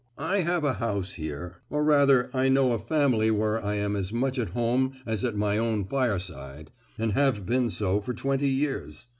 I have a house here—or rather I know a family where I am as much at home as at my own fireside, and have been so for twenty years.